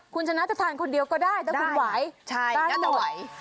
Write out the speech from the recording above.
คุณชนะจะทานคนเดียวก็ได้ถ้าคุณไหวคุณน่าจะไหว